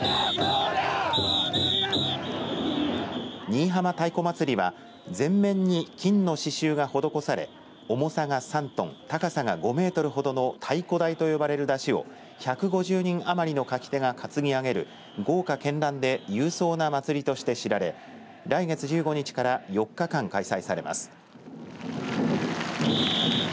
新居浜太鼓祭りは全面に金の刺しゅうが施され重さが３トン高さが５メートルほどの太鼓台と呼ばれる山車を約５０人余りのかき手が担ぎ上げる、豪華けんらんで勇壮な祭りとして知られ来月１５日から４日間開催されます。